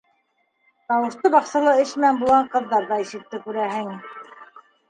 Тауышты баҡсала эш менән булған ҡыҙҙар ҙа ишетте, күрәһең.